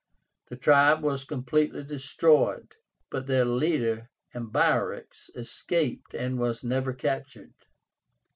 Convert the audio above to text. The tribe was completely destroyed, but their leader, Ambiorix, escaped and was never captured.